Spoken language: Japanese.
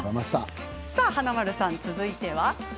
華丸さん、続いては？